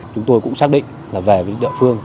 chúng tôi cũng xác định là về với địa phương